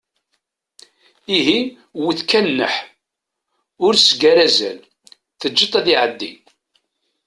Ihi, wwet kan nnaḥ, ur s-ggar azal, teǧǧeḍ-t ad iɛeddi!